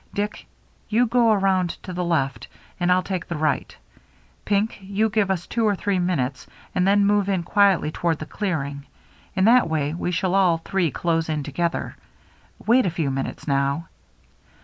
Dick, you go around to the left, and I'll take the right ; Pink, you give us two or three minutes and then move in quietly toward the clearing. In that way we shall all three close in together. Wait a few minutes now."